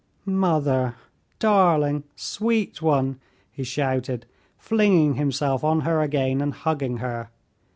"Mother, darling, sweet one!" he shouted, flinging himself on her again and hugging her.